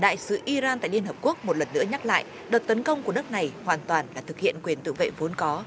đại sứ iran tại liên hợp quốc một lần nữa nhắc lại đợt tấn công của đất này hoàn toàn là thực hiện quyền tự vệ vốn có